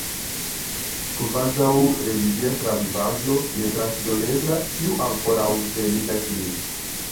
Kvazaŭ religia travivaĵo ne transdonebla, kiu ankoraŭ tremigas min.